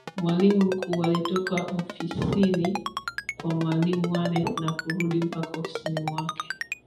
Mwalimu mkuu alitoka ofisini kwa mwalimu Aneth na kurudi mpaka ofisini kwake